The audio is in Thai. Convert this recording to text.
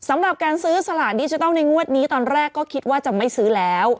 สำหรับการซื้อสลากดิจิทัลในงวดนี้ตอนแรกก็คิดว่าจะไม่ซื้อแล้ว